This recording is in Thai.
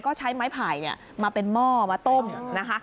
ก็ใช้ไม้ไผ่มาเป็นหม้อมาต้มนะคะ